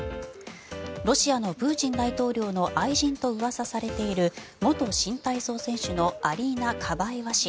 ロシアのプーチン大統領の愛人とうわさされている元新体操選手のアリーナ・カバエワ氏。